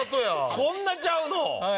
こんなちゃうの！？